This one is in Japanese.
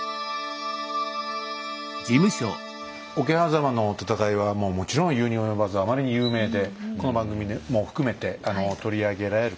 桶狭間の戦いはもうもちろん言うに及ばずあまりに有名でこの番組も含めて取り上げられることが多いですけどね